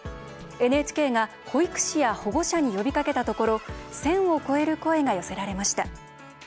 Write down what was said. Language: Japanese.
ＮＨＫが保育士や保護者に呼びかけたところ１０００を超える声が寄せられました。